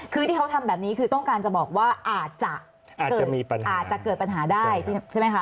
คือที่เขาทำแบบนี้คือต้องการจะบอกว่าอาจจะมีปัญหาอาจจะเกิดปัญหาได้ใช่ไหมคะ